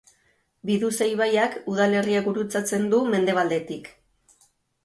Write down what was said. Biduze ibaiak udalerria gurutzatzen du, mendebaldetik.